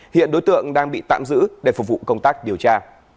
hiện đối tượng đang bị tạm giữ để phục vụ công tác điều tra